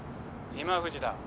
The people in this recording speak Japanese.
今藤だ